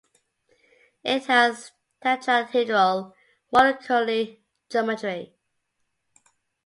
It has tetrahedral molecular geometry.